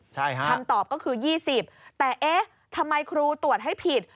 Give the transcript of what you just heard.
ใช่ค่ะคำตอบก็คือ๒๐แต่เอ๊ะทำไมครูตรวจให้ผิด